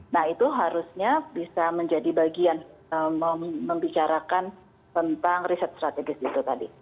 nah itu harusnya bisa menjadi bagian membicarakan tentang riset strategis itu tadi